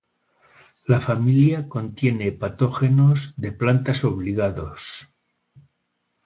La familia contiene patógenos de plantas obligados.